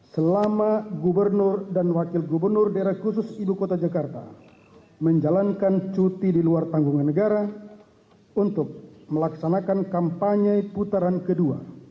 selama gubernur dan wakil gubernur daerah khusus ibu kota jakarta menjalankan cuti di luar tanggungan negara untuk melaksanakan kampanye putaran kedua